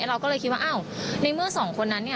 เราก็เลยคิดว่าอ้าวในเมื่อสองคนนั้นเนี่ย